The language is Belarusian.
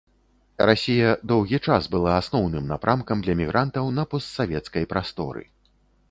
Расія доўгі час была асноўным напрамкам для мігрантаў на постсавецкай прасторы.